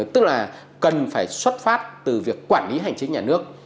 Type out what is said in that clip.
tức là cần phải xuất phát từ việc quản lý hành chính nhà nước